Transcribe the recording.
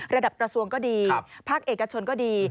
ระดับกระทรวงก็ดีภาคเอกชนก็ดี